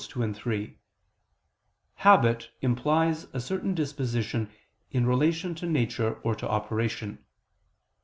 2, 3), habit implies a certain disposition in relation to nature or to operation.